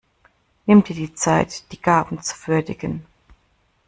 Nimm dir die Zeit, die Gaben zu würdigen.